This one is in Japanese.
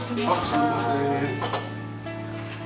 すいません。